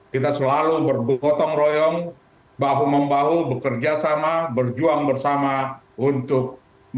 kita selalu bergotong royong bahu membahu bekerja sama berjuang bersama untuk